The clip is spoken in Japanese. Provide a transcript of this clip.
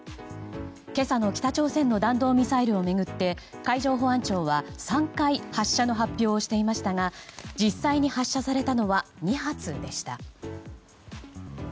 今朝の北朝鮮の弾道ミサイルを巡って海上保安庁は３回発射の発表をしていましたが実際に発射されたのは２発でした。